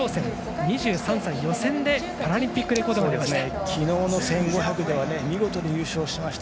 ２３歳、予選でパラリンピックレコードが出ました。